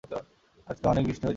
আজকা অনেক বৃষ্টি হইতাছে।